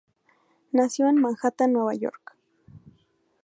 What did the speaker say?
Nació en Manhattan Nueva York.